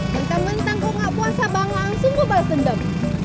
bentang bentang kok gak puasa bang langsung balas dendam